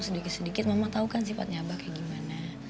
sedikit sedikit mama tahu kan sifatnya abah kayak gimana